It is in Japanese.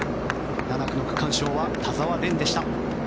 ７区の区間賞は田澤廉でした。